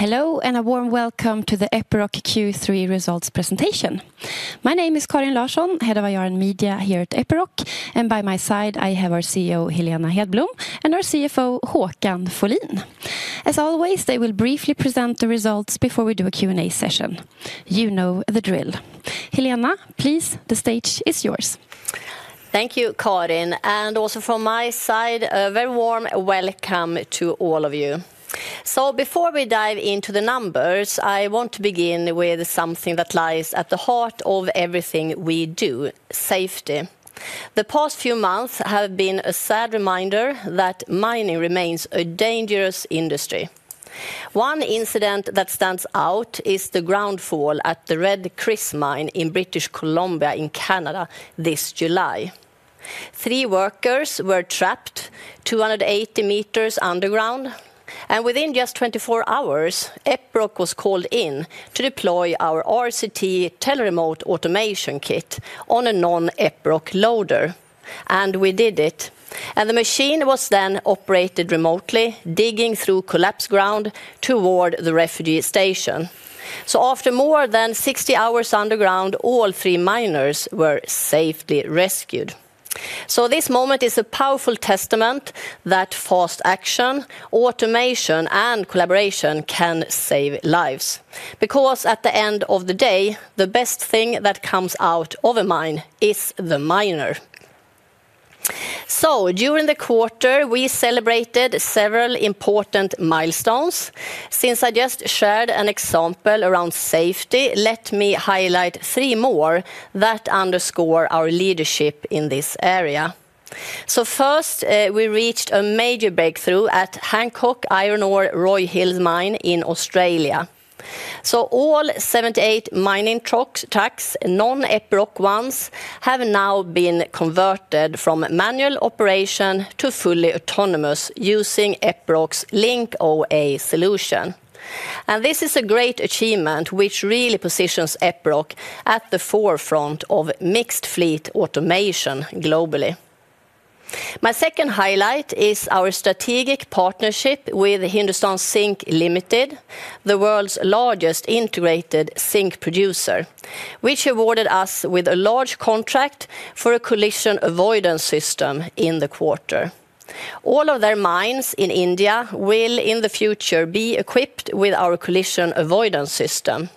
Hello and a warm welcome to the Epiroc Q3 results presentation. My name is Karin Larsson, Head of IR and Media here at Epiroc. By my side I have our CEO Helena Hedblom and our CFO Håkan Folin. As always, they will briefly present the results before we do a Q&A session. You know the drill. Helena, please, the stage is yours. Thank you, Karin. Also from my side, a very warm welcome to all of you. Before we dive into the numbers, I want to begin with something that lies at the heart of everything we do: safety. The past few months have been a sad reminder that mining remains a dangerous industry. One incident that stands out is the ground fall at the Red Chris mine in British Columbia in Canada this July. Three workers were trapped 280 m underground, and within just 24 hours, Epiroc was called in to deploy our RCT Teleremote Automation Kit on a non-Epiroc loader. We did it, and the machine was then operated remotely, digging through collapsed ground toward the refuge station. After more than 60 hours underground, all three miners were safely rescued. This moment is a powerful testament that fast action, automation, and collaboration can save lives. At the end of the day, the best thing that comes out of a mine is the miner. During the quarter, we celebrated several important milestones. Since I just shared an example around safety, let me highlight three more that underscore our leadership in this area. First, we reached a major breakthrough at Hancock Iron Ore Roy Hill mine in Australia. All 78 mining trucks, non-Epiroc ones, have now been converted from manual operation to fully autonomous using Epiroc's Link OA solution. This is a great achievement which really positions Epiroc at the forefront of mixed fleet automation globally. My second highlight is our strategic partnership with Hindustan Zinc Ltd. The world's largest integrated zinc producer awarded us a large contract for a collision avoidance system in the quarter. All of their mines in India will in the future be equipped with our collision avoidance system.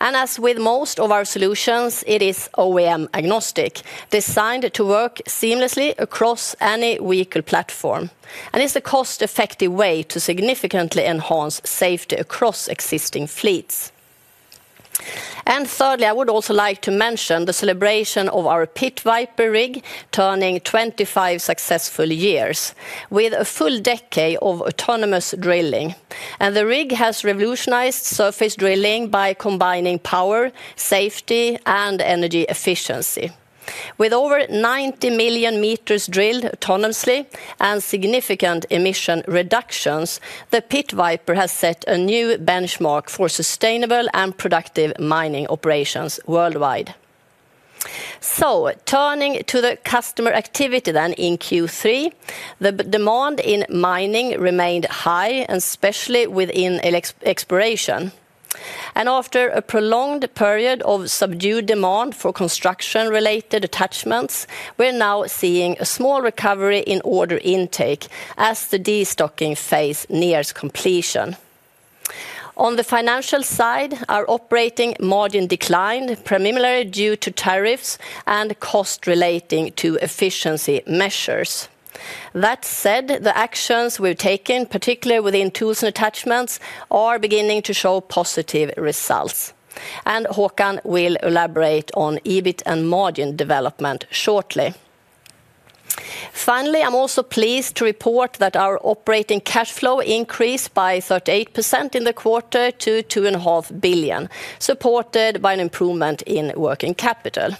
As with most of our solutions, it is OEM-agnostic, designed to work seamlessly across any vehicle platform, and is a cost-effective way to significantly enhance safety across existing fleets. Thirdly, I would also like to mention the celebration of our Pit Viper drill rig turning 25 successful years, with a full decade of autonomous drilling. The rig has revolutionized surface drilling by combining power, safety, and energy efficiency. With over 90 million m drilled autonomously and significant emission reductions, the Pit Viper has set a new benchmark for sustainable and productive mining operations worldwide. Turning to the customer activity then in Q3, the demand in mining remained high, especially within exploration, and after a prolonged period of subdued demand for construction-related attachments, we're now seeing a small recovery in order intake as the destocking phase nears completion. On the financial side, our operating margin declined primarily due to tariffs and costs relating to efficiency measures. That said, the actions we've taken, particularly within tools and attachments, are beginning to show positive results, and Håkan will elaborate on EBIT and margin development shortly. Finally, I'm also pleased to report that our operating cash flow increased by 38% in the quarter to 2.5 billion, supported by an improvement in working capital.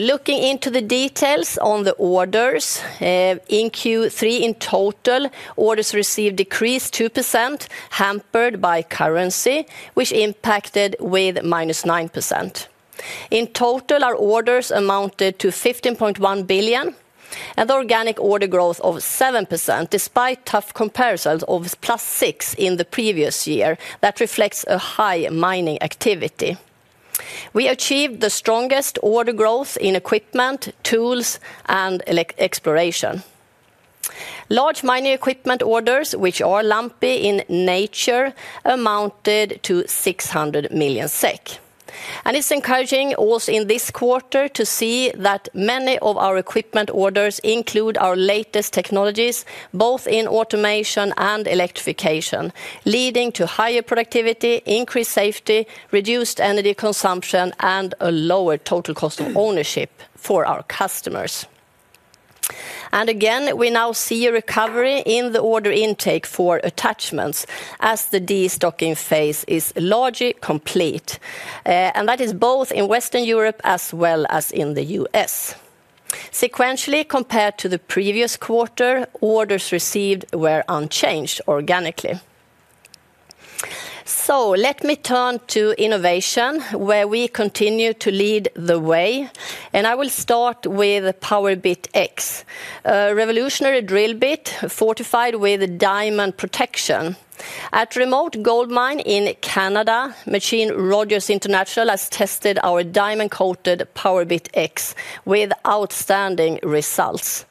Looking into the details on the orders in Q3, in total, orders received decreased 2%, hampered by currency which impacted with -9%. In total, our orders amounted to 15.1 billion and the organic order growth was 7%. Despite tough comparisons of +6% in the previous year that reflects a high mining activity, we achieved the strongest order growth in equipment, tools, and exploration. Large mining equipment orders, which are lumpy in nature, amounted to SEK 600 million. It's encouraging also in this quarter to see that many of our equipment orders include our latest technologies both in automation and electrification, leading to higher productivity, increased safety, reduced energy consumption, and a lower total cost of ownership for our customers. We now see a recovery in the order intake for attachments as the destocking phase is largely complete, and that is both in Western Europe as well as in the U.S. Sequentially, compared to the previous quarter, orders received were unchanged organically. Let me turn to innovation where we continue to lead the way, and I will start with Powerbit X, a revolutionary drill bit fortified with diamond protection. At a remote gold mine in Canada, Machinerie Rogers International has tested our diamond-coated Powerbit X with outstanding results.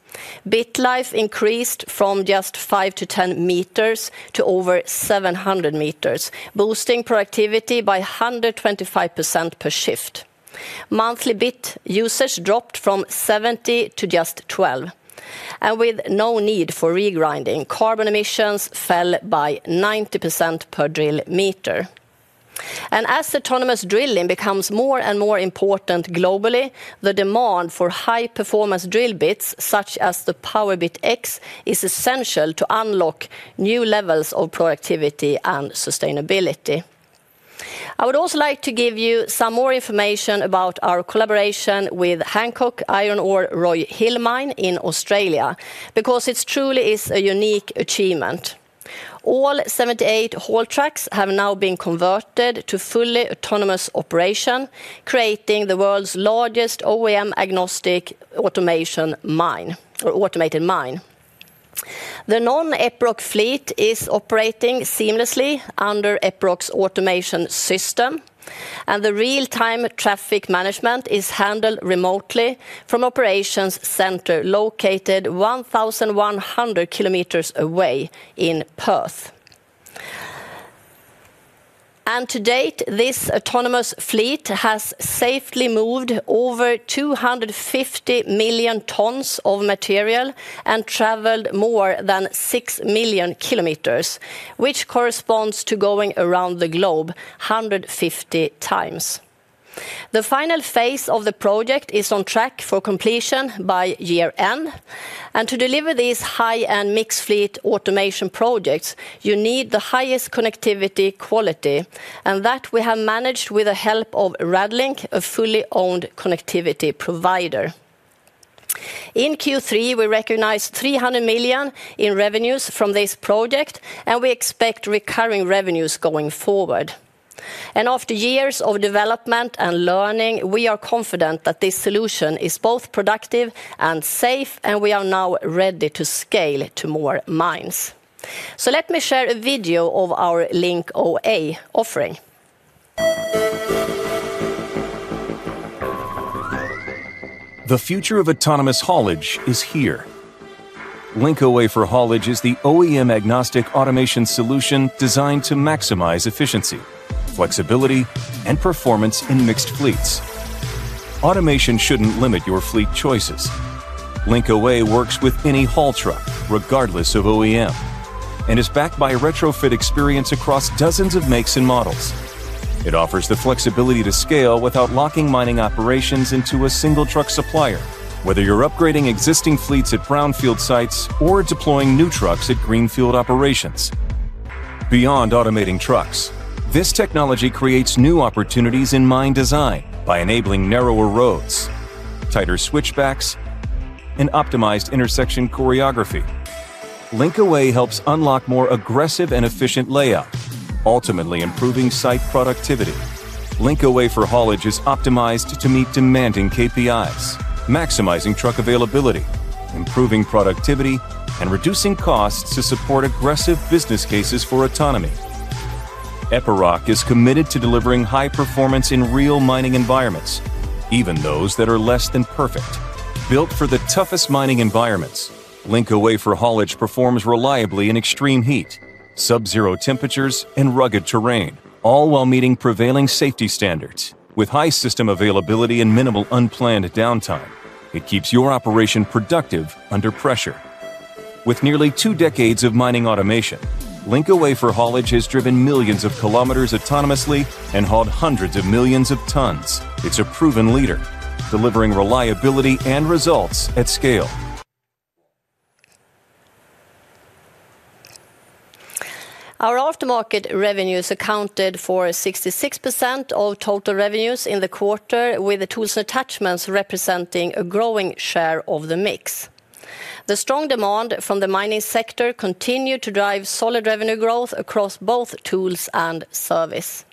Bit life increased from just 5-10 m to over 700 m, boosting productivity by 125% per shift. Monthly bit usage dropped from 70 to just 12, and with no need for regrinding, carbon emissions fell by 90% per drill meter. As autonomous drilling becomes more and more important globally, the demand for high performance drill bits such as the Powerbit X is essential to unlock new levels of productivity and sustainability. I would also like to give you some more information about our collaboration with Hancock Iron Ore Roy Hill mine in Australia because it truly is a unique achievement. All 78 haul trucks have now been converted to fully autonomous operation, creating the world's largest OEM-agnostic automated mine. The non-Epiroc fleet is operating seamlessly under Epiroc's automation system, and the real-time traffic management is handled remotely from an operations center located 1,100 km away in Perth. To date, this autonomous fleet has safely moved over 250 million tons of material and traveled more than 6 million km, which corresponds to going around the globe 150x. The final phase of the project is on track for completion by year end. To deliver these high-end mixed fleet automation projects, you need the highest connectivity quality, and that we have managed with the help of Radlink, a fully owned connectivity provider. In Q3, we recognized $300 million in revenues from this project, and we expect recurring revenues going forward. After years of development and learning, we are confident that this solution is both productive and safe, and we are now ready to scale to more mines. Let me share a video of our Link OA offering. The future of autonomous haulage is here. Link OA for Haulage is the OEM-agnostic automation solution designed to maximize efficiency, flexibility, and performance in mixed fleets. Automation shouldn't limit your fleet choices. Link OA works with any haul truck regardless of OEM and is backed by a retrofit experience across dozens of makes and models. It offers the flexibility to scale without locking mining operations into a single truck supplier, whether you're upgrading existing fleets at brownfield sites or deploying new trucks at greenfield operations. Beyond automating trucks, this technology creates new opportunities in mine design by enabling narrower roads, tighter switchbacks, and optimized intersection choreography. Link OA helps unlock more aggressive and efficient layout, ultimately improving site productivity. Link OA for Haulage is optimized to meet demanding KPIs, maximizing truck availability, improving productivity, and reducing costs to support aggressive business cases for autonomy. Epiroc is committed to delivering high performance in real mining environments, even those that are less than perfect. Built for the toughest mining environments, Link OA for Haulage performs reliably in extreme heat, sub-zero temperatures, and rugged terrain, all while meeting prevailing safety standards. With high system availability and minimal unplanned downtime, it keeps your operation productive under pressure. With nearly two decades of mining automation, Link OA for Haulage has driven millions of km autonomously and hauled hundreds of millions of tons. It's a proven leader, delivering reliability and results at scale. Our aftermarket revenues accounted for 66% of total revenues in the quarter, with the tools and attachments representing a growing share of the mix. The strong demand from the mining sector continued to drive solid revenue growth across both tools and service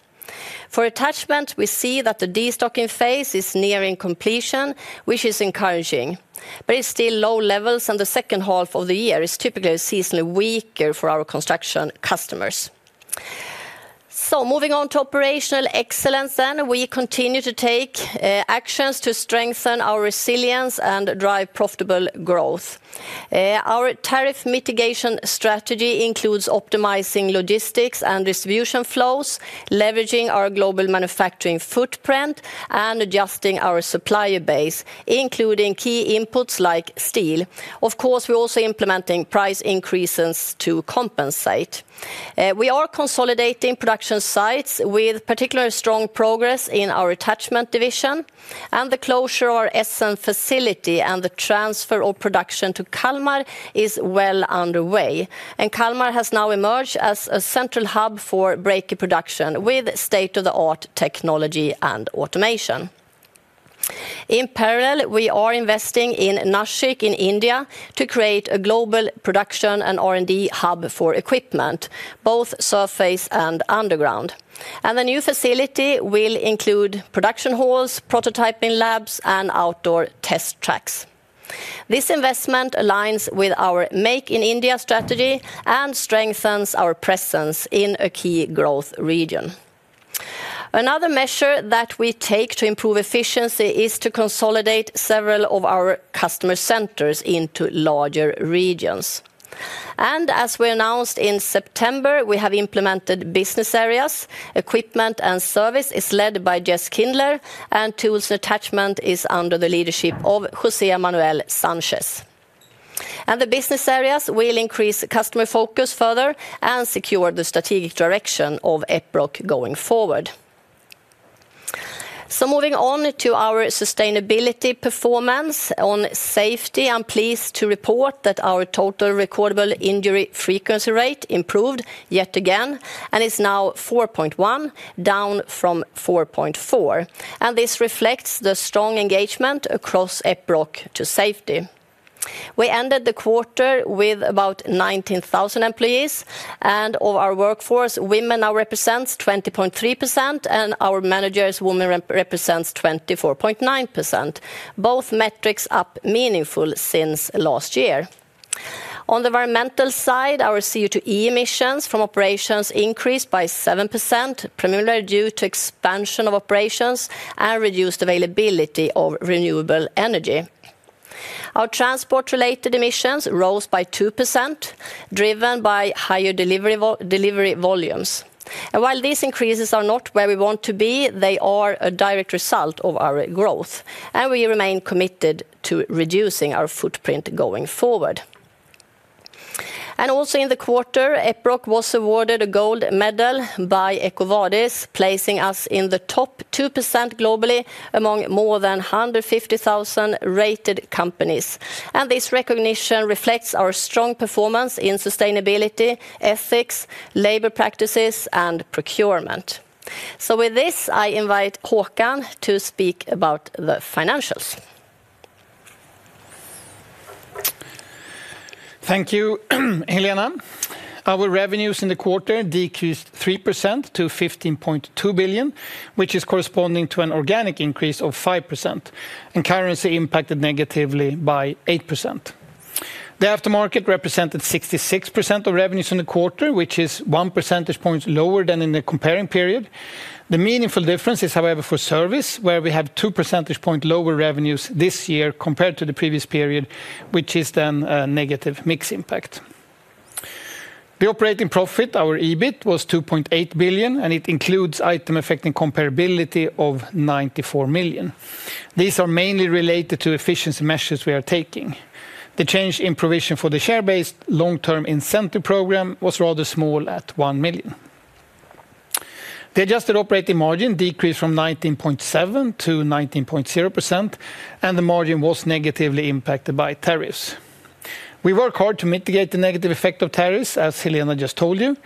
for attachment. We see that the destocking phase is nearing completion, which is encouraging, but it's still low levels and the second half of the year is typically seasonally weaker for our construction customers. Moving on to operational excellence, we continue to take actions to strengthen our resilience and drive profitable growth. Our tariff mitigation strategy includes optimizing logistics and distribution flows, leveraging our global manufacturing footprint, and adjusting our supplier base, including key inputs like steel. Of course, we're also implementing price increases to compensate. We are consolidating production sites with particularly strong progress in our attachment division and the closure of our Essen facility. The transfer of production to Kalmar is well underway. Kalmar has now emerged as a central hub for brake production with state-of-the-art technology and automation. In parallel, we are investing in Nashik in India to create a global production and R&D hub for equipment, both surface and underground. The new facility will include production halls, prototyping labs, and outdoor test tracks. This investment aligns with our Make in India strategy and strengthens our presence in a key growth region. Another measure that we take to improve efficiency is to consolidate several of our customer centers into larger regions. As we announced in September, we have implemented business areas. Equipment and Service is led by Jess Kindler, and Tools and Attachment is under the leadership of José Manuel Sanchez. The business areas will increase customer focus further and secure the strategic direction of Epiroc going forward. Moving on to our sustainability performance on safety, I'm pleased to report that our total recordable injury frequency rate improved yet again and is now 4.1%, down from 4.4%. This reflects the strong engagement across Epiroc to safety. We ended the quarter with about 19,000 employees, and of our workforce, women now represent 20.3% and our managers, women represent 24.9%. Both metrics are up meaningfully since last year. On the environmental side, our CO2e emissions from operations increased by 7%, primarily due to expansion of operations and reduced availability of renewable energy. Our transport-related emissions rose by 2%, driven by higher delivery volumes. While these increases are not where we want to be, they are a direct result of our growth and we remain committed to reducing our footprint going forward. Also in the quarter, Epiroc was awarded a gold medal by EcoVadis, placing us in the top 2% globally among more than 150,000 rated companies. This recognition reflects our strong performance in sustainability, ethics, labor practices, and procurement. With this, I invite Håkan to speak about the financials. Thank you, Helena. Our revenues in the quarter decreased 3% to 15.2 billion, which is corresponding to an organic increase of 5% and currency impacted negatively by 8%. The aftermarket represented 66% of revenues in the quarter, which is 1 percentage point lower than in the comparing period. The meaningful difference is however for service where we have 2 percentage point lower revenues this year compared to the previous period, which is then a negative mix impact. The operating profit. Our EBIT was 2.8 billion and it includes item affecting comparability of 94 million. These are mainly related to efficiency measures we are taking. The change in provision for the share based long term incentive program was rather small at 1 million. The adjusted operating margin decreased from 19.7%-19.0% and the margin was negatively impacted by tariffs. We worked hard to mitigate the negative effect of tariffs, as Helena just told you.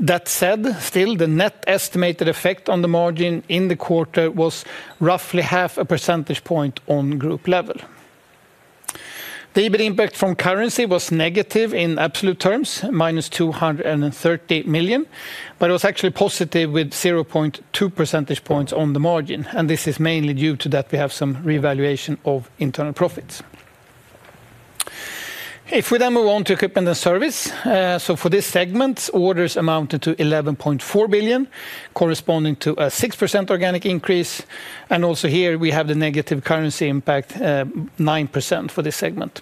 That said, still the net estimated effect on the margin in the quarter was roughly half a percentage point. On group level, the EBITDA impact from currency was negative in absolute terms -230 million. It was actually positive with 0.2 percentage points on the margin. This is mainly due to that we have some revaluation of internal profits. If we then move on to equipment and service. For this segment, orders amounted to 11.4 billion, corresponding to a 6% organic increase. Also here we have the negative currency impact 9%. For this segment,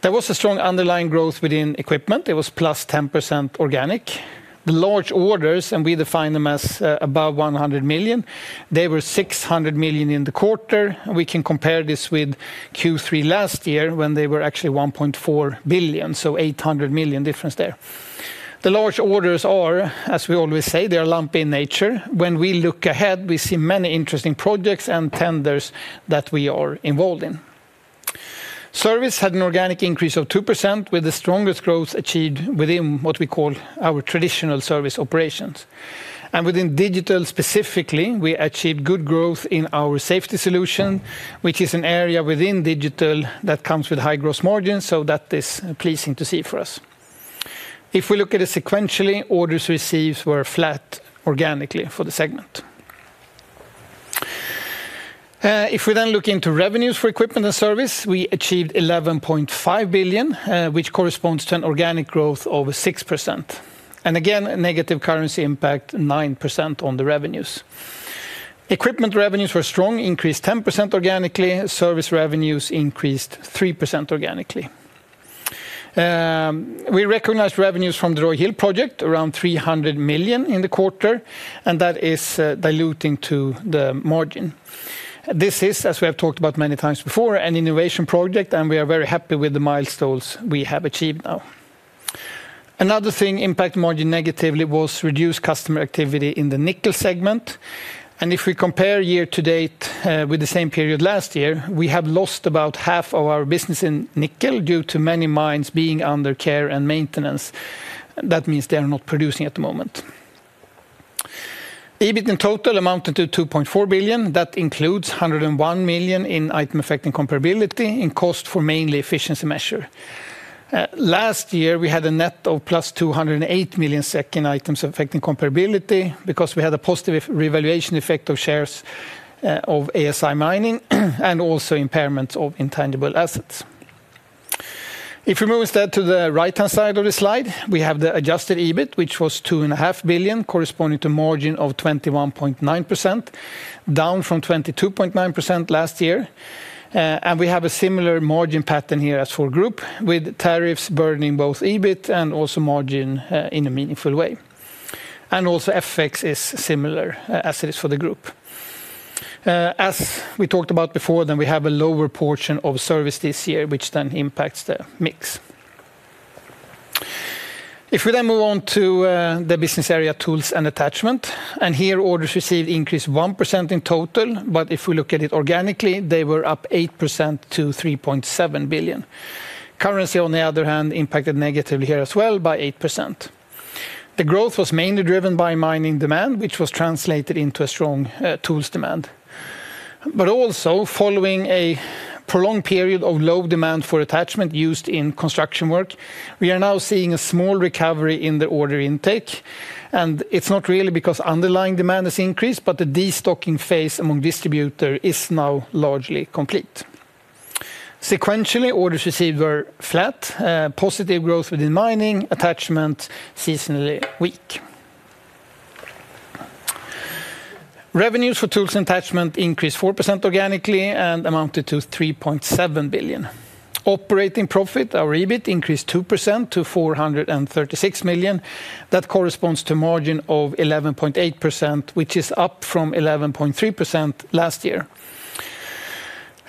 there was a strong underlying growth within equipment. It was +10% organic. The large orders, and we define them as above 100 million. They were 600 million in the quarter. We can compare this with Q3 last year when they were actually 1.4 billion. So 800 million difference there. The large orders are, as we always say, they are lumpy in nature. When we look ahead, we see many interesting projects and tenders that we are involved in. Service had an organic increase of 2% with the strongest growth achieved within what we call our traditional service operations and within digital. Specifically, we achieved good growth in our safety solution which is an area within digital that comes with high gross margins. That is pleasing to see for us. If we look at it sequentially, orders received were flat organically for the segment. If we then look into revenues for equipment and service, we achieved 11.5 billion, which corresponds to an organic growth over 6% and again a negative currency impact 9% on the revenues. Equipment revenues were strong, increased 10% organically. Service revenues increased 3% organically. We recognized revenues from the Roy Hill project around 300 million in the quarter and that is diluting to the margin. This is, as we have talked about many times before, an innovation project. We are very happy with the milestones we have achieved. Another thing that impacted margin negatively was reduced customer activity in the nickel segment. If we compare year to date with the same period last year, we have lost about half of our business in nickel due to many mines being under care and maintenance. That means they are not producing at the moment. EBIT in total amounted to 2.4 billion. That includes 101 million in items affecting comparability in cost for mainly efficiency measures. Last year we had a net of plus 208 million in items affecting comparability because we had a positive revaluation effect of shares of ASI Mining and also impairments of intangible assets. If we move instead to the right-hand side of the slide, we have the Adjusted EBIT which was 2.5 billion, corresponding to a margin of 21.9%, down from 22.9% last year. We have a similar margin pattern here as for group with tariffs burdening both EBIT and also margin in a meaningful way. FX is similar as it is for the group as we talked about before. We have a lower portion of service this year which then impacts the mix. If we then move on to the business area Tools and Attachment, orders received increased 1% in total. If we look at it organically, they were up 8% to 3.7 billion. Currency on the other hand impacted negatively here as well by 8%. The growth was mainly driven by mining demand which was translated into a strong tools demand, also following a prolonged period of low demand for attachments used in construction work. We are now seeing a small recovery in the order intake. It's not really because underlying demand has increased, but the destocking phase among distributors is now largely complete. Sequentially, orders received were flat, positive growth within mining attachment. Seasonally weak revenues for Tools and Attachment increased 4% organically and amounted to 3.7 billion. Operating profit, our EBIT, increased 2% to 436 million. That corresponds to a margin of 11.8%, which is up from 11.3% last year.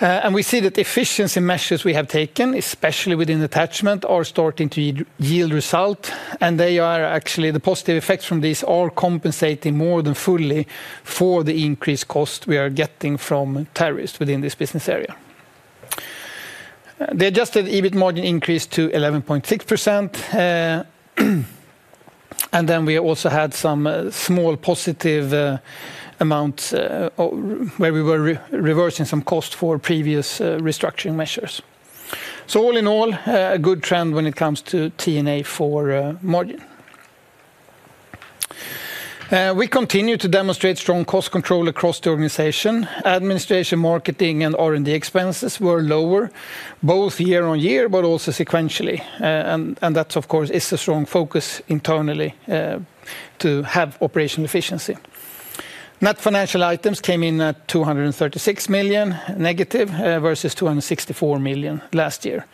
We see that the efficiency measures we have taken, especially within attachment, are starting to yield results. The positive effects from these are compensating more than fully for the increased cost we are getting from tariffs within this business area. The Adjusted EBIT margin increased to 11.6%. We also had some small positive amounts where we were reversing some cost for previous restructuring measures. All in all, a good trend when it comes to T&A. For margin, we continue to demonstrate strong cost control across the organization, administration, marketing, and R&D. The expenses were lower both year-on-year and sequentially. That, of course, is a strong focus internally to have operational efficiency. Net financial items came in at -236 million versus 264 million last year.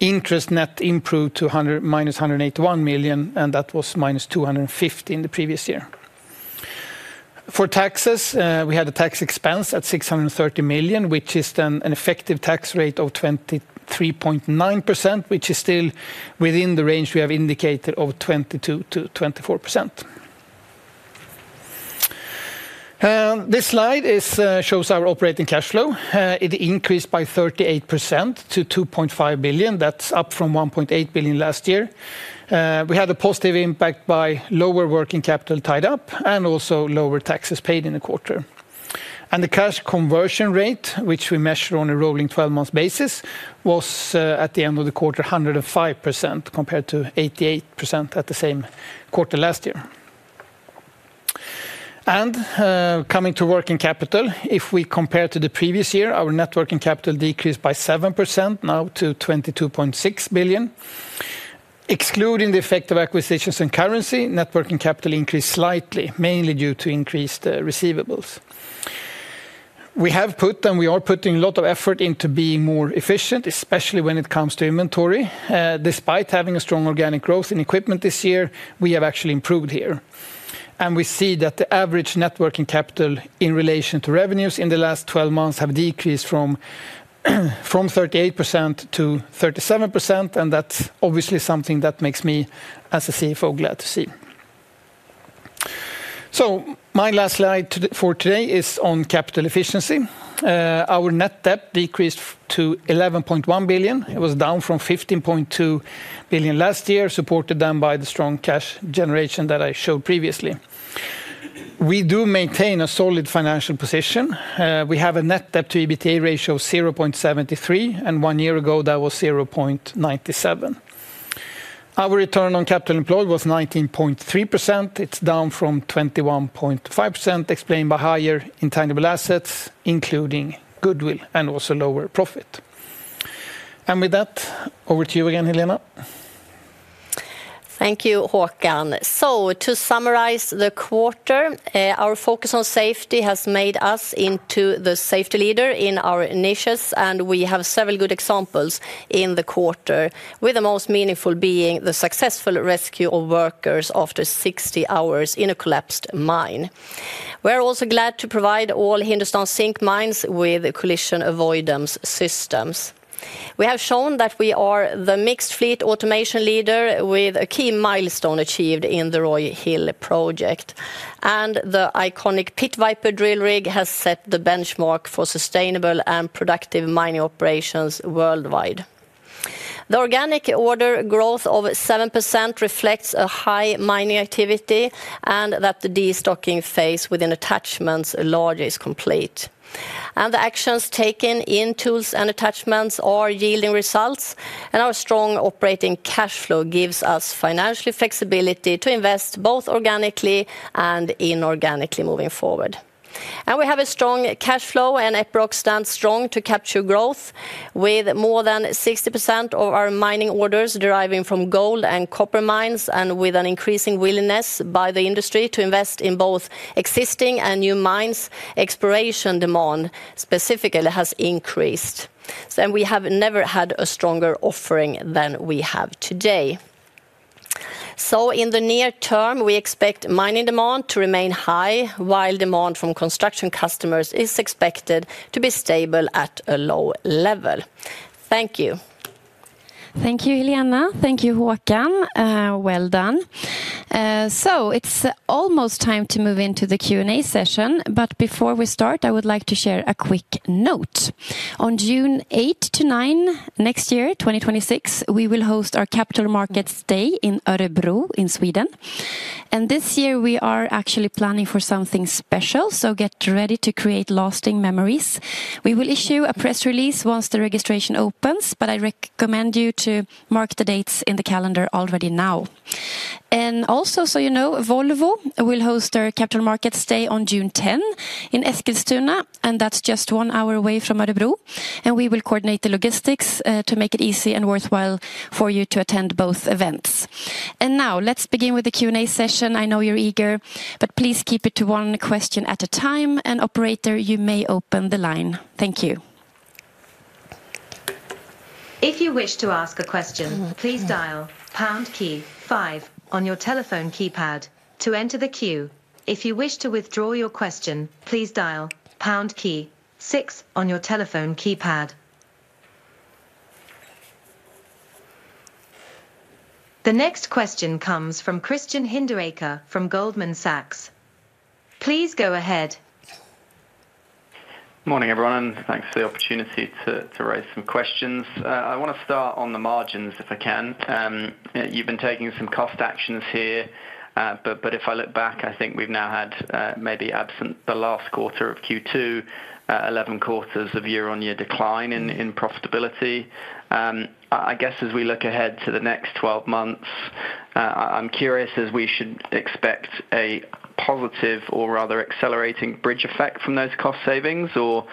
Interest net improved to -181 million, and that was -250 million in the previous year. For taxes, we had a tax expense at 630 million, which is then an effective tax rate of 23.9%, which is still within the range we have indicated of 22%-24%. This slide shows our operating cash flow. It increased by 38% to 2.5 billion, up from 1.8 billion last year. We had a positive impact by lower working capital tied up and also lower taxes paid in the quarter. The cash conversion rate, which we measure on a rolling 12-month basis, was at the end of the quarter 105% compared to 88% at the same quarter last year. Coming to working capital, if we compare to the previous year, our net working capital decreased by 7% now to 22.6 billion. Excluding the effect of acquisitions and currency, net working capital increased slightly, mainly due to increased receivables. We have put, and we are putting, a lot of effort into being more efficient, especially when it comes to inventory. Despite having a strong organic growth in equipment this year, we have actually improved here. We see that the average net working capital in relation to revenues in the last 12 months has decreased from 38%-37%. That is obviously something that makes me as a CFO glad to see. My last slide for today is on capital efficiency. Our Net Debt decreased to 11.1 billion. It was down from 15.2 billion last year, supported by the strong cash generation that I showed previously. We do maintain a solid financial position. We have a Net Debt to EBITDA ratio of 0.5. One year ago that was 0.97. Our return on capital employed was 19.3%. It is down from 21.5%, explained by higher intangible assets, including goodwill, and also lower profit. With that, over to you again, Helena. Thank you, Håkan. To summarize the quarter, our focus on safety has made us into the safety leader in our initiatives. We have several good examples in the quarter, with the most meaningful being the successful rescue of workers after 60 hours in a collapsed mine. We're also glad to provide all Hindustan Zinc Ltd. mines with collision avoidance systems. We have shown that we are the mixed fleet automation leader with a key milestone achieved in the Roy Hill project. The iconic Pit Viper drill rig has set the benchmark for sustainable and productive mining operations worldwide. The organic order growth of 7% reflects a high mining activity and that the destocking phase within attachments largely is complete, and the actions taken in tools and attachments are yielding results. Our strong operating cash flow gives us financial flexibility to invest both organically and inorganically moving forward. We have a strong cash flow and Epiroc stands strong to capture growth. With more than 60% of our mining orders deriving from gold and copper mines, and with an increasing willingness by the industry to invest in both existing and new mines, exploration demand specifically has increased. We have never had a stronger offering than we have today. In the near term we expect mining demand to remain high, while demand from construction customers is expected to be stable at a low level. Thank you. Thank you, Helena. Thank you, Håkan. Well done. It's almost time to move into the Q and A session, but before we start, I would like to share a quick note. On June 8 to 9, next year, 2026, we will host our Capital Markets Day in Örebro in Sweden. This year we are actually planning for something special. Get ready to create lasting memories. We will issue a press release once the registration opens, but I recommend you mark the dates in the calendar already now. Also, so you know, Volvo will host their Capital Markets Day on June 10 in Eskilstuna, and that's just one hour away from Örebro. We will coordinate the logistics to make it easy and worthwhile for you to attend both events. Now let's begin with the Q and A session. I know you're eager, but please keep it to one question at a time and operator, you may open the line. Thank you. If you wish to ask a question, please dial pound key five on your telephone keypad to enter the queue. If you wish to withdraw your question, please dial pound key six on your telephone keypad. The next question comes from Christian Hinderaker from Goldman Sachs. Please go ahead. Morning everyone. Thanks for the opportunity to raise some questions. I want to start on the margins if I can. You've been taking some cost actions here, but if I look back, I think we've now had maybe, absent the last quarter of Q2, 11 quarters of year-on-year decline in profitability. I guess as we look ahead to the next 12 months, I'm curious as we should expect a positive or rather accelerating bridge effect from those cost savings or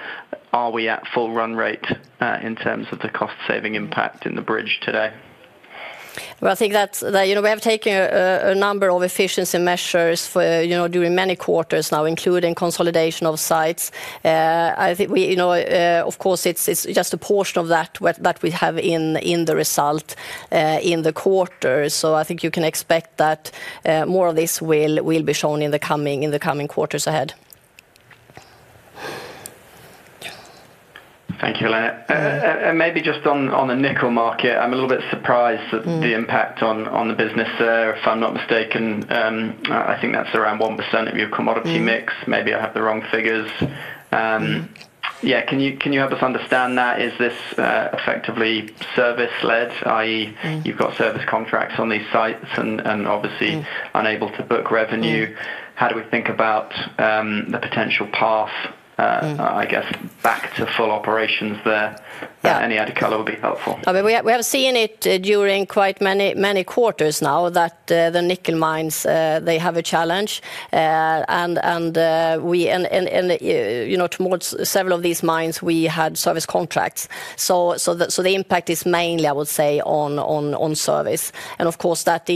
are we at full run rate in terms of the cost saving impact in the bridge today? I think that you know we have taken a number of efficiency measures during many quarters now, including consolidation of sites. I think we, you know, of course it's just a portion of that that we have in the results in the quarter. I think you can expect that more of this will be shown in the coming quarters ahead. Thank you, Helena. Maybe just on the nickel market, I'm a little bit surprised at the impact on the business there. If I'm not mistaken, I think that's around 1% of your commodity mix. Maybe I have the wrong figures. Yeah. Can you help us understand that? Is this effectively service led? That is, you've got service contract on these sites and obviously unable to book revenue. How do we think about the potential path, I guess, back to full operations there? Any other color would be helpful. We have seen it during quite many, many quarters now that the nickel mines have a challenge and you know towards several of these mines we had service contracts. The impact is mainly, I would say, on service and of course that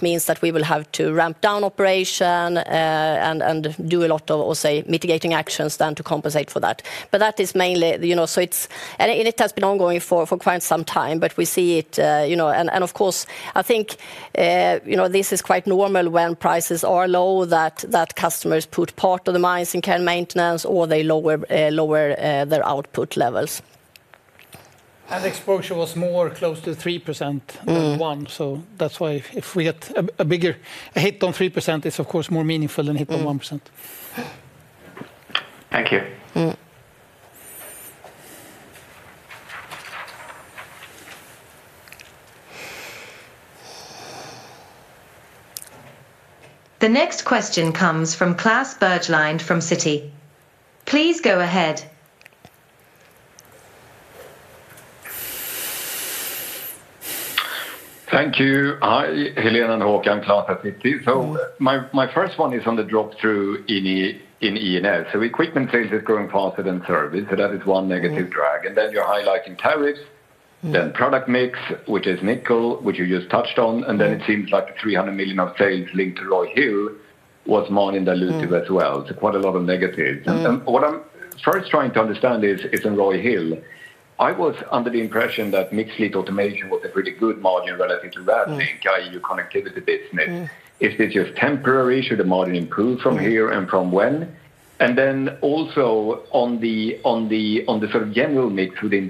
means that we will have to ramp down operation and do a lot of, or say, mitigating actions to compensate for that. That is mainly, you know, so it's, it has been ongoing for quite some time. We see it, you know, and of course I think you know this is quite normal when prices are low, that customers put part of the mines in care maintenance or they lower their output levels. Exposure was more close to 3%. That's why if we get a bigger hit on 3%, it is of course more meaningful than if 1%. Thank you. The next question comes from Klas Bergelind from Citi. Please go ahead. Thank you. Hi Helena and Håkan. I'm Klas, Citi. My first one is on the drop through in E now. Equipment sales is growing faster than service, so that is one negative drag. You're highlighting tariffs, then product mix, which is nickel, which you just touched on, and then it seems like $300 million of sales linked to Roy Hill was more than dilutive as well. Quite a lot of negatives. What I'm first trying to understand is, in Roy Hill, I was under the impression that mixed fleet automation was a pretty good margin relative to, rather than your connectivity business. Is this just temporary? Should margin improve from here and from when? Also, on the sort of general mix within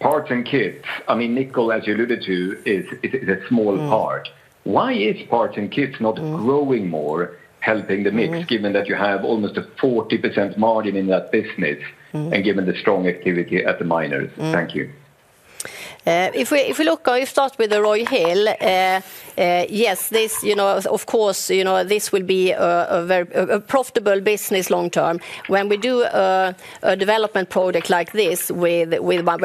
service, parts and kits, nickel as you alluded to is a small part. Why is parts and kits not growing more, helping the mix, given that you have almost a 40% margin in that business and given the strong activity at the miners? Thank you. If we look, I start with the Roy Hill. Yes. This, you know, of course, you know, this will be a very profitable business long term when we do a development project like this when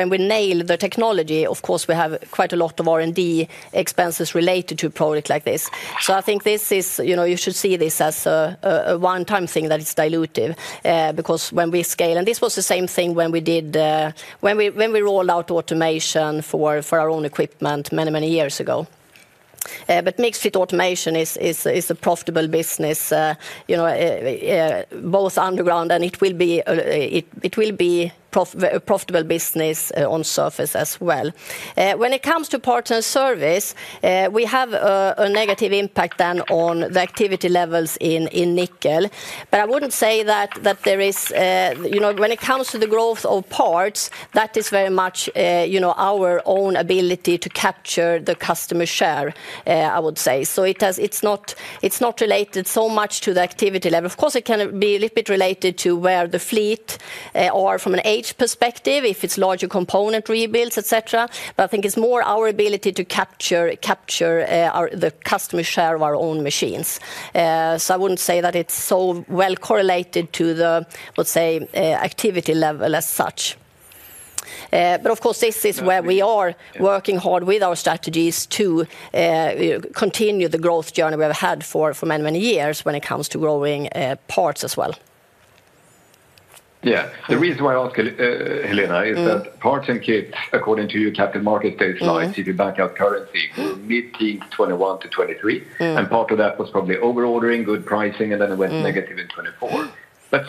we nail the technology. Of course we have quite a lot of R&D expenses related to a product like this. I think this is, you know, you should see this as a one-time thing that is dilutive because when we scale, and this was the same thing when we rolled out automation for our own equipment many, many years ago. Mixed fleet automation is a profitable business, you know, both underground and it will be a profitable business on surface as well. When it comes to parts and service, we have a negative impact then on the activity levels in nickel. I wouldn't say that there is, you know, when it comes to the growth, growth of parts, that is very much, you know, our own ability to capture the customer share. I would say it does, it's not, it's not related so much to the activity level. Of course it can be a little bit related to where the fleet are from an age perspective, if it's larger component rebuilds, etc. I think it's more our ability to capture the customer share of our own machines. I wouldn't say that it's so well correlated to the, let's say, activity level as such. Of course this is where we are working hard with our strategies to continue the growth journey we have had for many, many years when it comes to growing parts as well. Yeah. The reason why I ask, Helena, is that parts and kits, according to your capital market data, back up currency middle 1921-23, and part of that was probably overordering, good pricing, and then it went negative in 2024.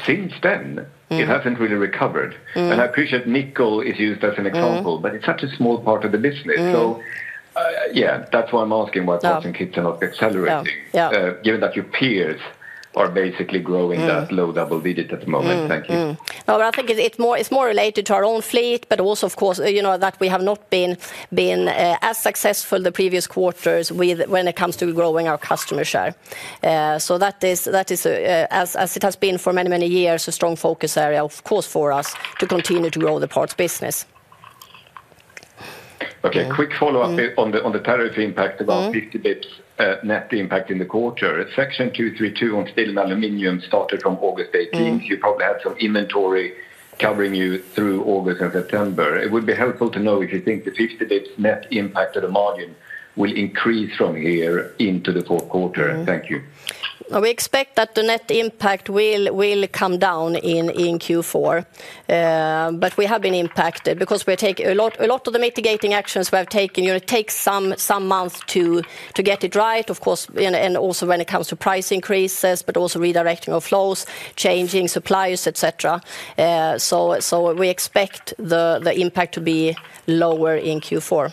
Since then, it hasn't really recovered. I appreciate nickel is used as an example, but it's such a small part of the business. That's why I'm asking why kits are not accelerating given that your peers are basically growing that low double digit at the moment. Thank you. No, I think it's more related to our own fleet. Also, of course, you know that we have not been as successful the previous quarters when it comes to growing our customer share. That is, as it has been for many, many years, a strong focus area for us to continue to grow the parts business. Okay, quick follow up on the tariff impact. About 50 basis points net impact in the quarter, Section 232 on steel and aluminum started from August 18. You probably had some inventory covering you through August and September. It would be helpful to know if you think the 50 basis points net impact of the margin will increase from here into the fourth quarter. Thank you. We expect that the net impact will come down in Q4, but we have been impacted because a lot of the mitigating actions we have taken, it takes some months to get it right of course. Also, when it comes to price increases, but also redirecting of flow, changing suppliers, etc. We expect the impact to be lower in Q4.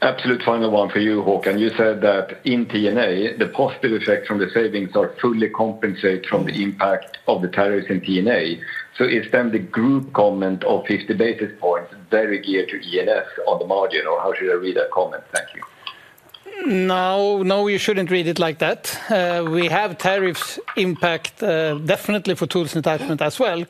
Absolute final one for you, Håkan. You said that in TNA the positive effects from the savings are fully compensated from the impact of the tariffs in TNA. Is the group comment of 50 basis points very geared to ENS on the margin or how should I read that comment? Thank you. No, no, you shouldn't read it like that. We have tariffs impact definitely for tools entitlement as well,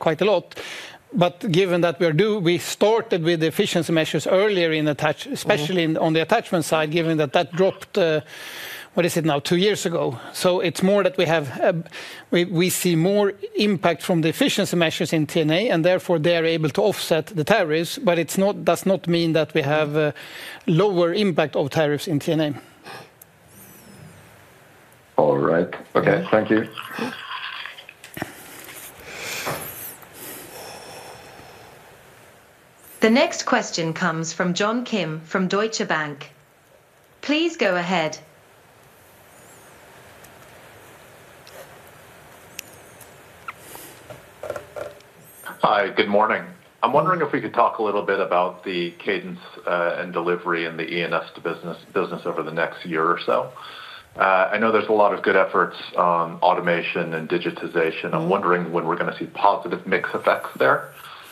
quite a lot. Given that we are due, we started with efficiency measures earlier in attach, especially on the attachment side given that that dropped, what is it now, two years ago. It's more that we see more impact from the efficiency measures in TNA and therefore they are able to offset the tariffs. It does not mean that we have lower impact of tariffs in TNA. All right. Okay, thank you. The next question comes from John Kim from Deutsche Bank. Please go ahead. Hi, good morning. I'm wondering if we could talk a little bit about the cadence and delivery in the ENS to business business over the next year or so. I know there's a lot of good efforts on automation and digitization. I'm wondering when we're going to see positive mix effects there,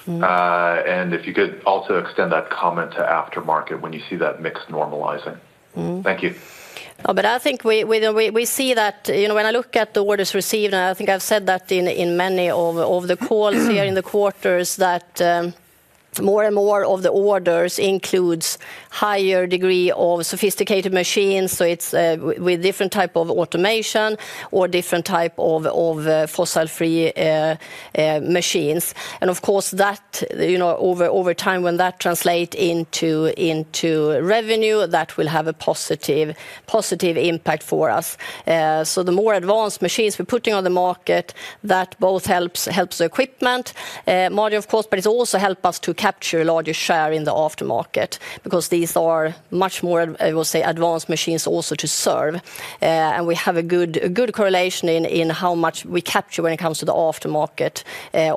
and if you could also extend that comment to aftermarket when you see that mix normalizing. Thank you. I think we see that when I look at the orders received and I think I've said that in many of the calls here in the quarters that more and more of the orders include higher degree of sophisticated machines. It's with different type of automation or different type of fossil free machines and of course that, over time, when that translates into revenue, that will have a positive impact for us. The more advanced machines we're putting on the market, that both helps the equipment margin of course, but it also helps us to capture a larger share in the aftermarket because these are much more advanced machines also to serve and we have a good correlation in how much we capture when it comes to the aftermarket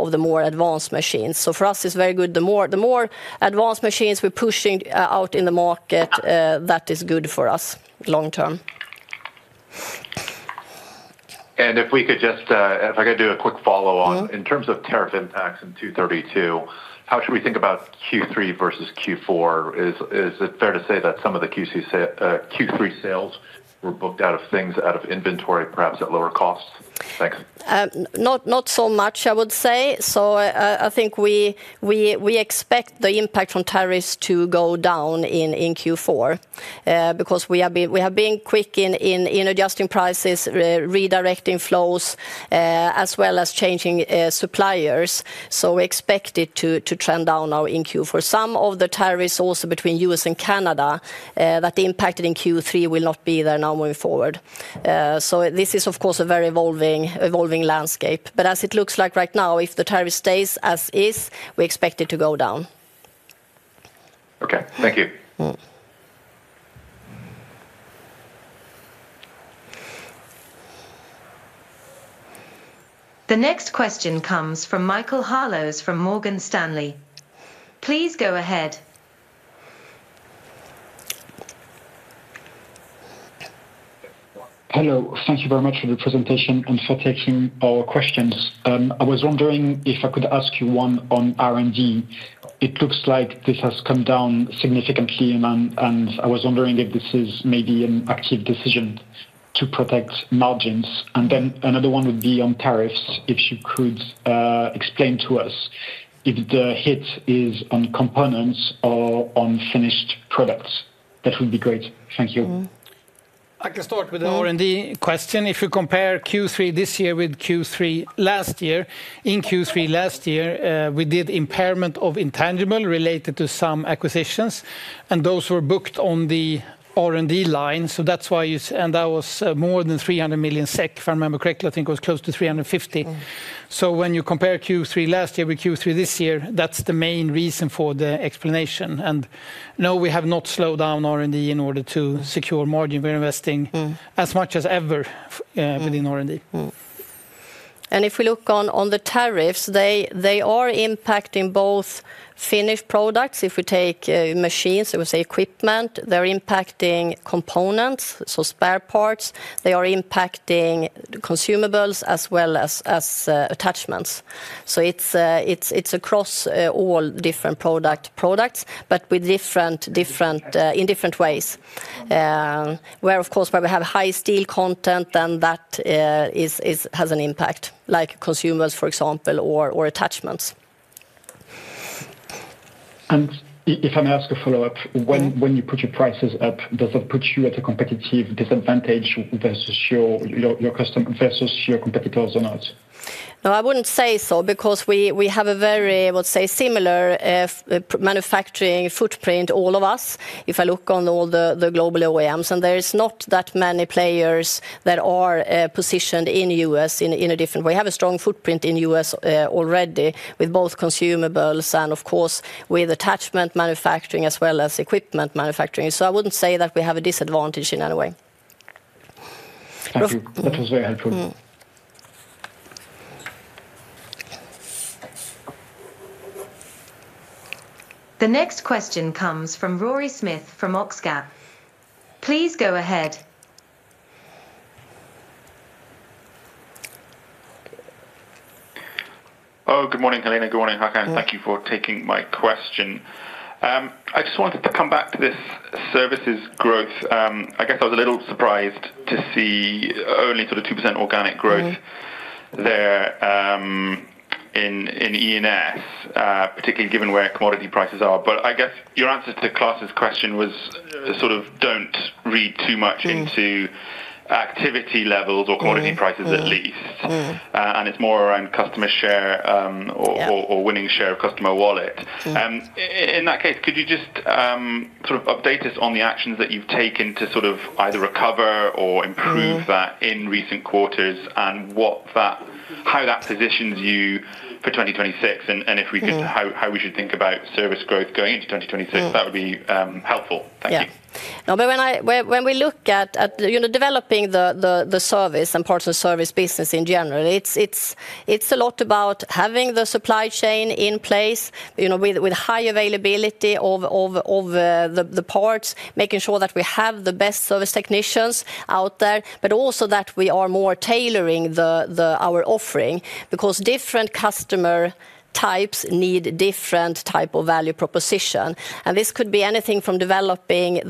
of the more advanced machines. For us it's very good. The more advanced machines we're pushing out in the market, that is good for us long term. If I could do a quick follow on. In terms of tariff impacts in 232, how should we think about Q3 versus Q4? Is it fair to say that some of the Q3 sales were booked out of things out of inventory, perhaps at lower costs? Thanks. Not so much. I would say so. I think we expect the impact on tariffs to go down in Q4 because we have been quick in adjusting prices, redirecting flows, as well as changing suppliers. We expect it to trend down now in Q4. Some of the tariffs also between the U.S. and Canada that impacted in Q3 will not be there now moving forward. This is of course a very evolving landscape. As it looks like right now, if the tariff stays as is, we expect it to go down. Okay, thank you. The next question comes from Michael Harleaux from Morgan Stanley. Please go ahead. Thank you very much for the presentation and for taking our questions. I was wondering if I could ask you one on R&D. It looks like this has come down significantly and I was wondering if this is maybe an active decision to protect margins. Another one would be on tariffs. If you could explain to us if the hit is on components or on finished products, that would be great. Thank you. I can start with the question. If you compare Q3 this year with Q3 last year, in Q3 last year we did impairment of intangible related to some acquisitions and those were booked on the R&D line. That's why you, and that was more than 300 million SEK if I remember correctly, I think was close to 350 million. When you compare Q3 last year with Q3 this year, that's the main reason for the explanation. No, we have not slowed down R&D in order to secure margin. We're investing as much as ever within R&D. If we look on the tariffs, they are impacting both finished products. If we take machines, it was equipment, they're impacting components, so spare parts, they are impacting consumables as well as attachments. It's across all different products but in different ways. Where of course we have high steel content, then that has an impact, like consumables for example, or attachments. If I may ask a follow up, when you put your prices up, does that put you at a competitive disadvantage versus your competitors or not? No, I wouldn't say so because we have a very, what to say, similar manufacturing footprint, all of us. If I look on all the global OEMs, and there's not that many players that are positioned in the U.S. in a different way, we have a strong footprint in the U.S. already with both consumables and, of course, with attachment manufacturing as well as equipment manufacturing. I wouldn't say that we have a disadvantage in any way. That was very helpful. The next question comes from Rory Smith from OXCAP. Please go ahead. Oh, good morning, Helena. Good morning, Håkan. Thank you for taking my question. I just wanted to come back to this services growth. I guess I was a little surprised to see only sort of 2% organic growth there in ENS, particularly given where commodity prices are. I guess your answer to Klas' question was sort of don't read too much into activity levels or commodity prices at least and it's more around customer share or winning share of customer wallet. In that case, could you just sort of update us on the actions that you've taken to sort of either recover or improve that in recent quarters and how that positions you for 2026 and if we could, how we should think about service growth going into 2026, that would be helpful. Thank you. When we look at developing the service and parts and service business in general, it's a lot about having the supply chain in place with high availability of the parts, making sure we have the best service technicians out there, but also that we are more tailoring our offering because different customer types need different type of value proposition. This could be anything from developing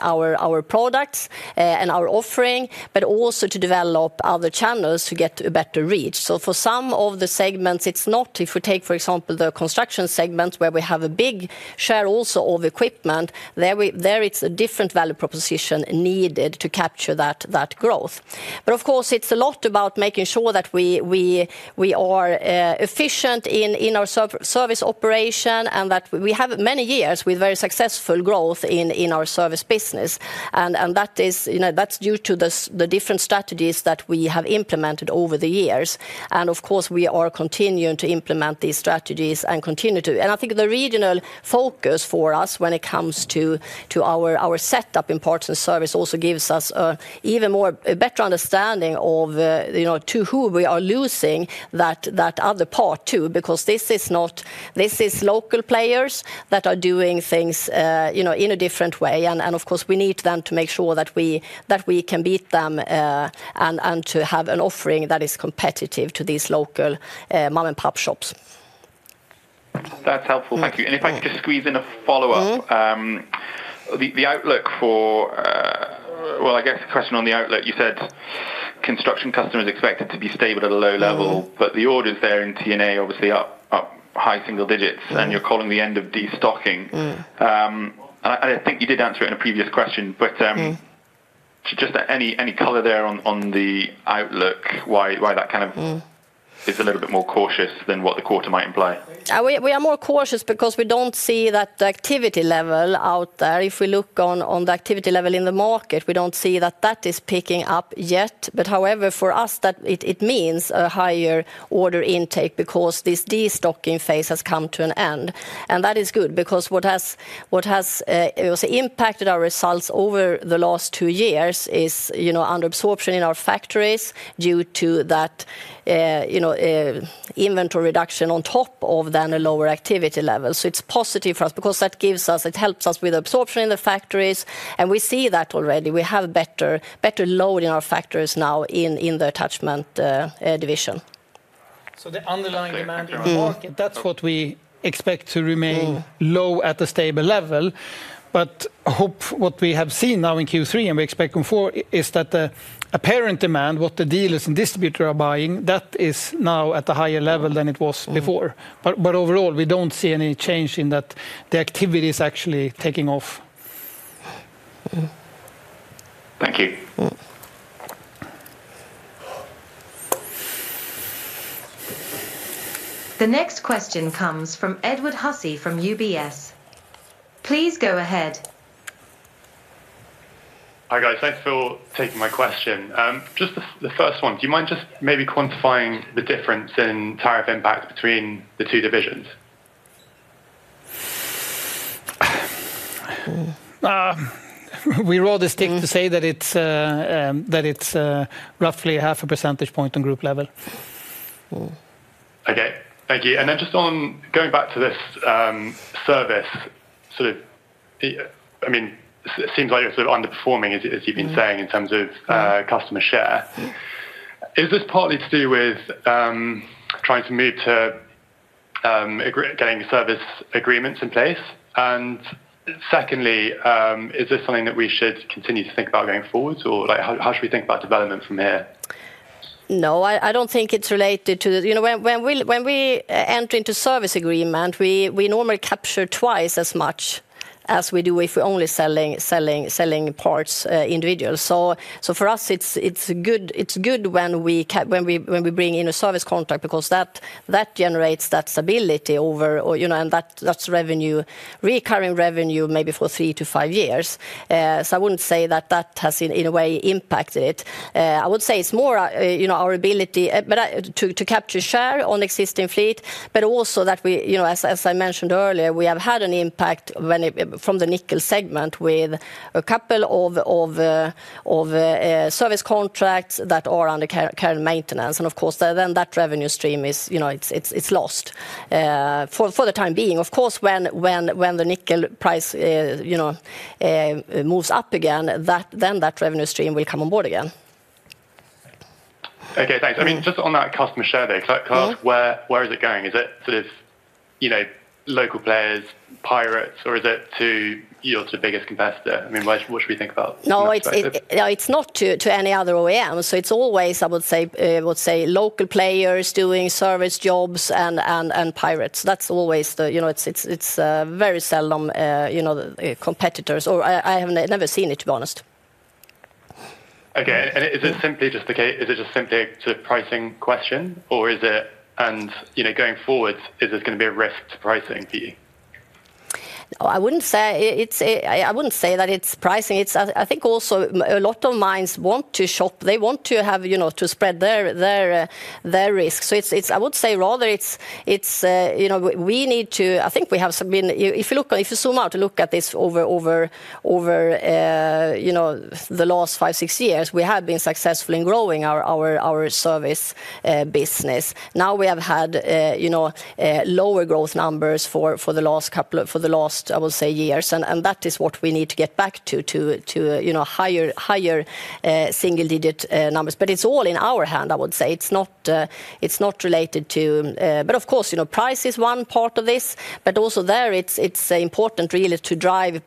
our products and our offering, but also to develop other channels to get a better reach. For some of the segments, if we take for example the construction segments where we have a big share also of equipment there, it's a different value proposition needed to capture that growth. Of course, it's a lot about making sure that we are efficient in our service operation and that we have many years with very successful growth in our service business, and that's due to the different strategies that we have implemented over the years. We are continuing to implement these strategies and continue to. I think the regional focus for us when it comes to our setup in parts and solutions service also gives us even more better understanding of to who we are losing that other part to because this is local players that are doing things in a different way. We need to make sure that we can beat them and to have an offering that is competitive to these local mom and pop shops. That's helpful. Thank you. If I could just squeeze in a follow up, the outlook for the outlook, you said construction customers expected to be stable at a low level, but the orders there in TNA obviously up high single digits and you're calling the end of destocking. I think you did answer it in a previous question. Just any color there on the outlook, why that kind of is a little bit more cautious than what the quarter might imply. We are more cautious because we don't see that the activity level out there. If we look on the activity level in the market, we don't see that that is picking up yet. However, for us that means a higher order intake because this destocking phase has come to an end. That is good because what has impacted our results over the last two years is, you know, under absorption in our factories due to that, you know, inventory reduction on top of then a lower activity level. It is positive for us because that gives us, it helps us with absorption in the factories. We see that already we have better, better load in our factories now in the attachment division. The underlying demand, that's what we expect to remain low at a stable level. What we have seen now in Q3 and we expect Q4 is that the apparent demand, what the dealers and distributor are buying, that is now at a higher level than it was before. Overall, we don't see any change in that. The activity is actually taking off. Thank you. The next question comes from Edward Hussey from UBS. Please go ahead. Hi guys. Thanks for taking my question. Just the first one. Do you mind just maybe quantifying the difference in tariff impact between the two divisions? We roll the stick to say that it's roughly half a percentage point on group level. Okay, thank you. Just on going back to this service, it seems like you're sort of underperforming as you've been saying in terms of customer share. Is this partly to do with trying to move to getting service agreements in place, and secondly, is this something that we should continue to think about going forward or how should we think about development from here? No, I don't think it's related to, you know, when we enter into a service agreement we normally capture twice as much as we do if we're only selling parts individual. For us it's good when we bring in a service contract because that generates that stability and that's recurring revenue maybe for three to five years. I wouldn't say that that has in a way impacted, I would say it's more our ability to capture share on existing fleet but also that we, you know, as I mentioned earlier, we have had an impact from the nickel segment with a couple of service contracts that are under current maintenance and of course then that revenue stream is, you know, it's lost for the time being. Of course, when the nickel price, you know, moves up again then that revenue stream will come on board again. Okay, thanks. I mean just on that customer share there, where is it going? Is it sort of, you know, local players, pirates, or is it to your biggest competitor? I mean what should we think about? No, it's not to any other OEMs. It's always, I would say, local players doing service jobs and pirates. That's always the, you know, it's very seldom, you know, competitors or I have never seen it to be honest. Okay, is it simply just a pricing question, or is it, you know, going forward, is this going to be a risk to pricing? I wouldn't say that it's pricing. I think also a lot of mines want to shop, they want to have, you know, to spread their risk. I would say rather it's, you know, we need to, I think we have been, if you zoom out to look at this over the last five, six years, we have been successful in growing our service business. Now we have had lower growth numbers for the last couple of years and that is what we need to get back to, higher single digit numbers. It's all in our hand. I would say it's not related to, but of course price is one part of this. Also, there it's important really to drive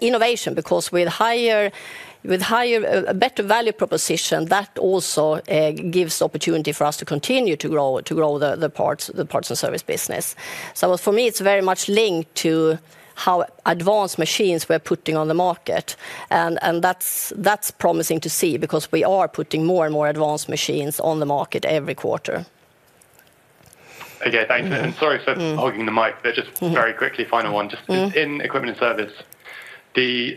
innovation because with higher, better value proposition, that also gives opportunity for us to continue to grow the parts and service business. For me, it's very much linked to how advanced machines we're putting on the market and that's promising to see because we are putting more and more advanced machines on the market every quarter. Okay, thanks and sorry for hogging the mic. Just very quickly, final one, just in equipment and service, the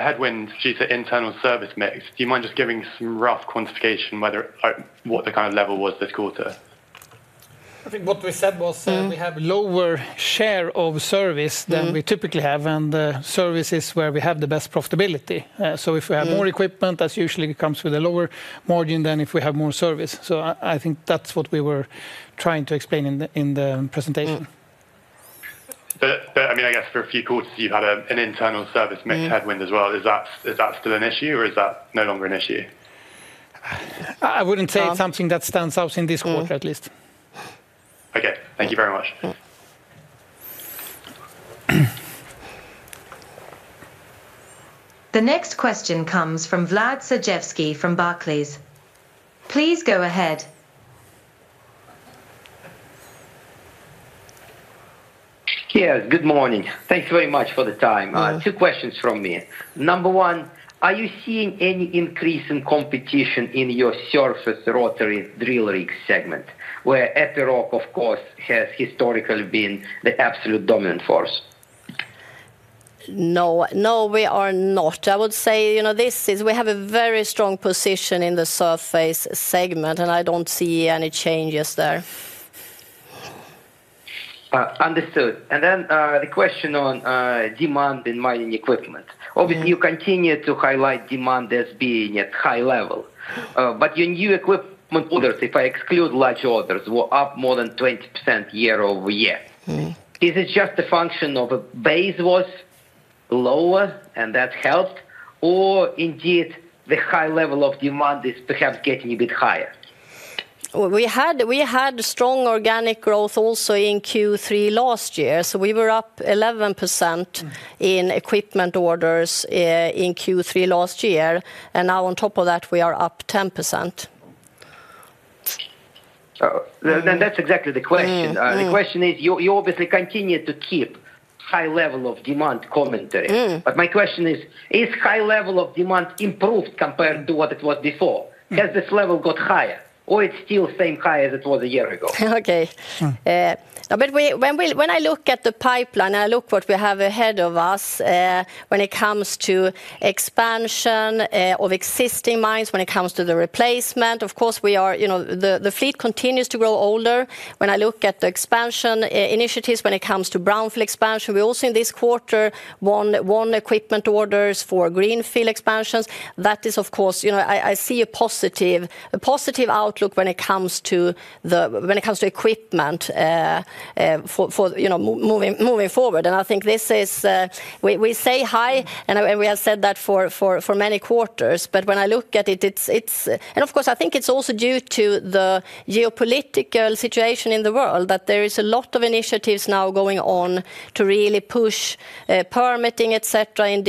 headwind due to internal service mix, do you mind just giving some rough quantification, what the kind of level was this quarter? I think what we said was we have lower share of service than we typically have, and service is where we have the best profitability. If we have more equipment, it usually comes with a lower margin than if we have more service. I think that's what we were trying to explain in the presentation. I guess for a few quarters you've had an internal service mix headwind as well. Is that still an issue or is that no longer an issue? I wouldn't say it's something that stands out in this quarter at least. Okay, thank you very much. The next question comes from Vladimir Sergievskiy from Barclays. Please go ahead. Yes, good morning. Thank you very much for the time. Two questions from me. Number one, are you seeing any increase in competition in your surface rotary drill rig segment where Epiroc of course has historically been the absolute dominant force? No, we are not. I would say this is, we have a very strong position in the surface segment, and I don't see any changes there. Understood. The question on demand in mining equipment, obviously you continue to highlight demand as being at a high level. Your new equipment orders, if I exclude large orders, were up more than 20% year-over-year. Is this just a function of a base was lower and that helped, or indeed the high level of demand is perhaps getting a bit higher? We had strong organic growth also in Q3 last year. We were up 11% in equipment orders in Q3 last year and now on top of that we are up 10%. That is exactly the question. The question is you obviously continue to keep high level of demand commentary, but my question is, is high level of demand improved compared to what it was before? Has this level got higher or is it still same high as it was a year ago? Okay, but when I look at the pipeline, I look at what we have ahead of us when it comes to expansion of expansion system mines. When it comes to the replacement, of course we are, you know, the fleet continues to grow older. When I look at the expansion initiatives, when it comes to brownfield expansion, we also in this quarter won equipment orders for greenfield expansions. That is, of course, you know, I see a positive outlook when it comes to the equipment for, you know, moving forward. I think this is, we say hi and we have said that for many quarters, but when I look at it, I think it's also due to the geopolitical situation in the world that there are a lot of initiatives now going on to really push permitting, etc., in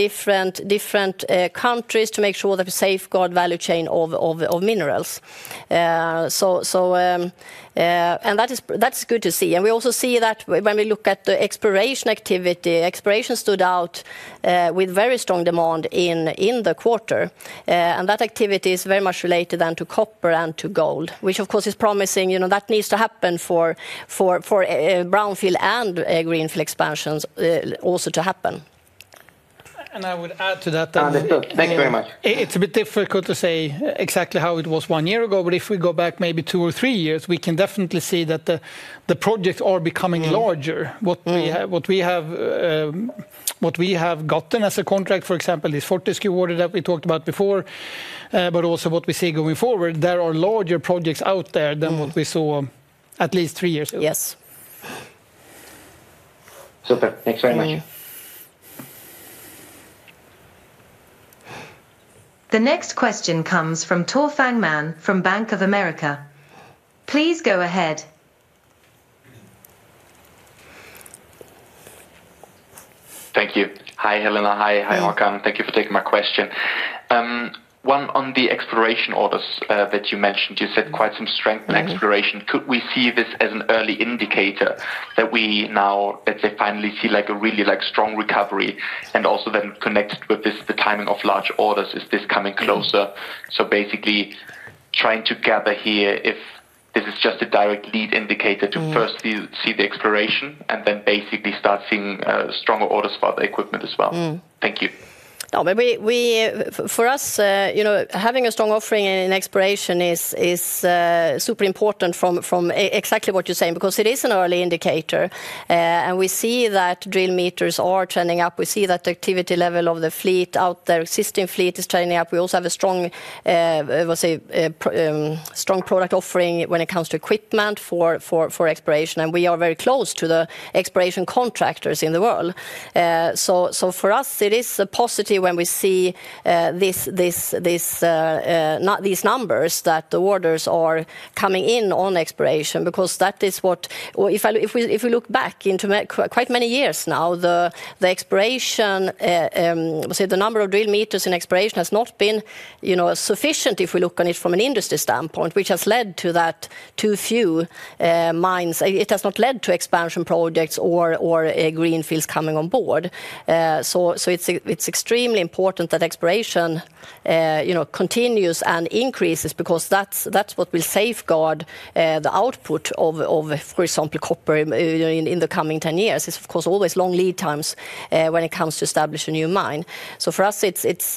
different countries to make sure that we safeguard the value chain of minerals. That is good to see. We also see that when we look at the exploration activity, exploration stood out with very strong demand in the quarter. That activity is very much related then to copper and to gold, which, of course, is promising. You know, that needs to happen for brownfield and greenfield expansions also to happen. I would add to that. Thank you very much. It's a bit difficult to say exactly how it was one year ago, but if we go back maybe two or three years, we can definitely see that the problem projects are becoming larger. What we have gotten as a contract, for example, is Fortescue water that we talked about before. Also, what we see going forward, there are larger projects out there than what we saw at least three years ago. Yes. Super. Thanks very much. The next question comes from Tore Fangmann from Bank of America. Please go ahead. Thank you. Hi Helena. Hi. Hi Hakan. Thank you for taking my question. On the exploration orders that you mentioned, you said quite some strength in exploration. Could we see this as an early indicator that we now, let's say, finally see like a really strong recovery? Also, then connected with this, the timing of large orders, is this coming closer? Basically, trying to gather here if this is just a direct lead indicator to first see the exploration and then basically start seeing stronger orders for the equipment as well. Thank you. For us, you know, having a strong offering in exploration is super important from exactly what you're saying because it is an early indicator and we see that drill m are trending up. We see that activity level of the fleet out there, existing fleet, is turning up. We also have a strong product offering when it comes to equipment for exploration and we are very close to the exploration contractors in the world. For us it is a positive when we see these numbers that the orders are coming in on exploration because that is what, if we look back into quite many years now, the exploration, the number of drill m in exploration has not been, you know, sufficient. If we look at it from an industry standpoint, which has led to that too few mines, it has not led to expansion projects or greenfields coming on board. It's extremely important that exploration continues and increases because that's what will safeguard the output of, for example, copper in the coming 10 years. There is of course always long leading times when it comes to establishing new mine. For us, we see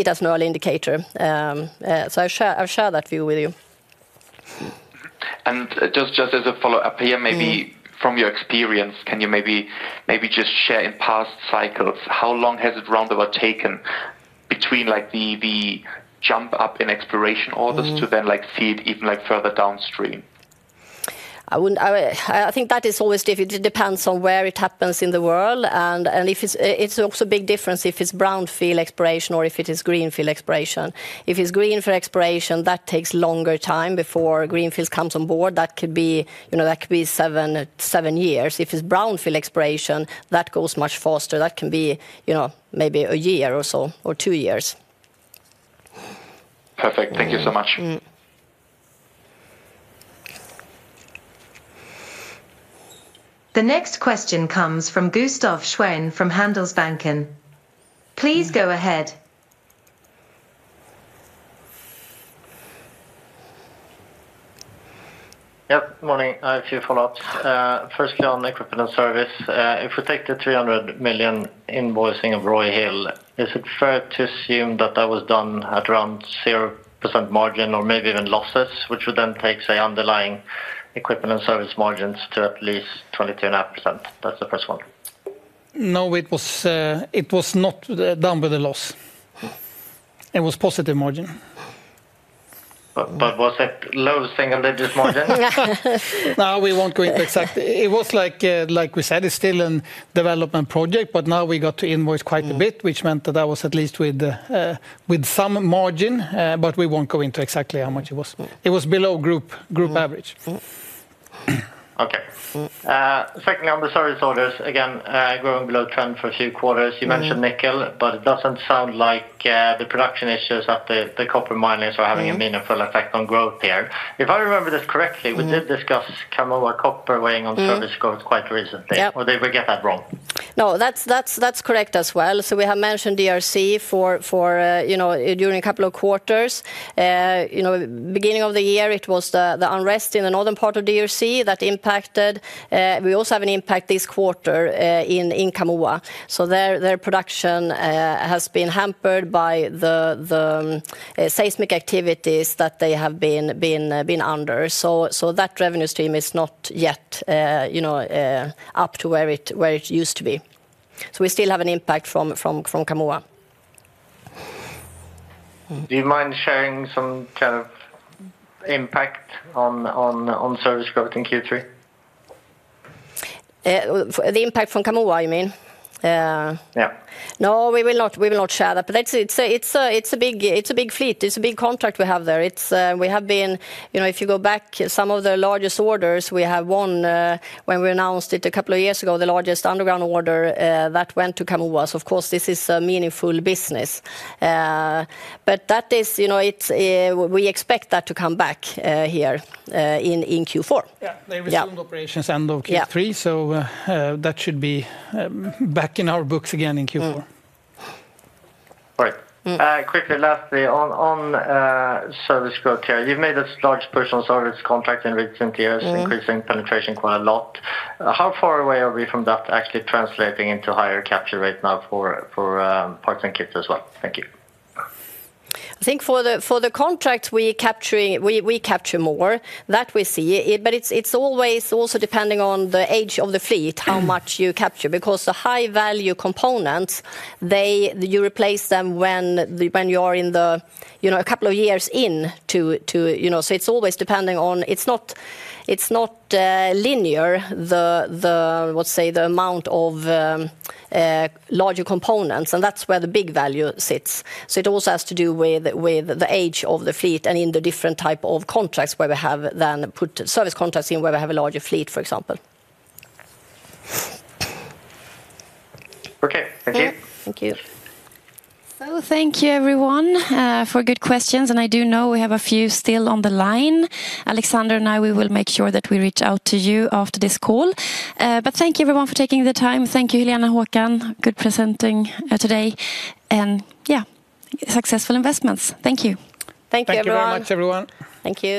it as an early indicator. I'll share that view with you. Just as a follow up here, maybe from your experience, can you maybe just share in past cycles how long has it taken between the jump up in exploration orders to then see it even further downstream? I think that is always difficult. It depends on where it happens in the world. It's also a big difference if it's brownfield exploration or if it is greenfield exploration. If it's greenfield exploration that takes longer time before greenfield comes on board, that could be seven years. If it's brownfield exploration that goes much faster. That can be maybe a year or so or two years. Perfect. Thank you so much. The next question comes from Gustaf Schwerin from Handelsbanken. Please go ahead. Yep. Morning. I have a few follow-ups. Firstly, on equipment and service, if we take the $300 million invoicing of Roy Hill, is it fair to assume that that was done at around 0% margin or maybe even losses, which would then take, say, underlying equipment and service margins to at least 22.5%? That's the first one. No, it was not done with a loss. It was positive margin. Was it low single digit margin? Now we want to implement. Exactly. Like we said, it's still a development project, but now we got to invoice quite a bit, which meant that was at least with some margin. We won't go into exactly how much it was. It was below group average. Okay. Secondly, on the service orders again growing below trend for a few quarters. You mentioned nickel, but it doesn't sound like the production issues at the copper miners are having a meaningful effect on growth here. If I remember this correctly, we did discuss Kalmar or copper weighing on service quite recently or did I get that wrong. That's correct as well. We have mentioned DRC for, you know, during a couple of quarters. Beginning of the year, it was the unrest in the northern part of DRC that impacted. We also have an impact this quarter in Kamoa. Their production has been hampered by the seismic activities that they have been under. That revenue stream is not yet up to where it used to be. We still have an impact from Kamoa. Do you mind sharing some kind of impact on Service growth in Q3? The impact from Kamuyumin? No, we will not share that. It's a big fleet. It's a big contract we have there. If you go back, some of the largest orders, we have one when we announced it a couple of years ago, the largest underground order that went to Commonwealth. Of course, this is a meaningful business, but that is, you know, it. We expect that to come back here in Q4. Yeah, they resumed operations end of Q3. That should be back in our books again in Q4. Quickly. Lastly, on service growth here, you've made a large personal service contract in recent years, increasing penetration quite a lot. How far away are we from that actually translating into higher capture right now for parts and kits as well? Thank you. I think for the contract we capture more that we see. It's always also depending on the age of the fleet, how much you capture because the high value components, you replace them when you are in, you know, a couple of years in, you know, so it's always depending on. It's not linear. The amount of larger components, and that's where the big value sits. It also has to do with the age of the fleet and in the different type of contracts where we have then put service contracts in where we have a larger fleet, for example. Okay, thank you. Thank you. Thank you everyone for good questions, and I do know we have a few still on the line. Alexander and I, we will make sure that we reach out to you after this call. Thank you everyone for taking the time. Thank you. Helena Hedblom. Good presenting today, and yeah, successful investments. Thank you. Thank you. Thank you very much, everyone. Thank you.